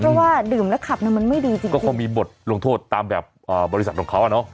เพราะว่าดื่มแล้วขับเนี่ยมันไม่ดีจริงก็คงมีบทลงโทษตามแบบบริษัทของเขาอ่ะเนอะ